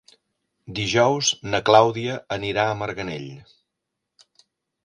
Dijous na Clàudia anirà a Marganell.